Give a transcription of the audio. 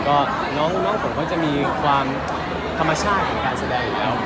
ก็น้องผมก็จะมีความธรรมชาติของการแสดงอยู่แล้ว